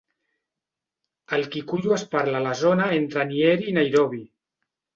El kikuyu es parla a la zona entre Nyeri i Nairobi.